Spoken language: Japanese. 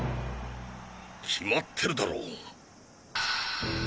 決まってるだろ。